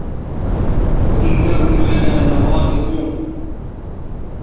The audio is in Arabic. وَإِنَّهُم لَنا لَغائِظونَ